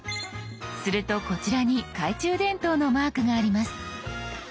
するとこちらに懐中電灯のマークがあります。